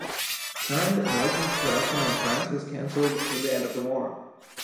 Planned licensed production in France was cancelled with the end of the war.